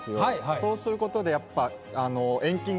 そうすることでやっぱ。